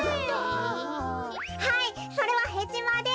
はいそれはヘチマです。